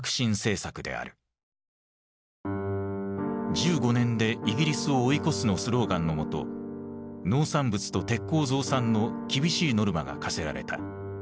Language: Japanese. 「１５年でイギリスを追い越す」のスローガンのもと農産物と鉄鋼増産の厳しいノルマが課せられた。